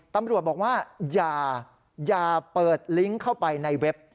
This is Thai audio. ตำรวจบอกว่าอย่าเปิดลิงก์เข้าไปในเว็บ